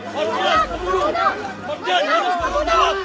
pembudu pembunuh pembunuh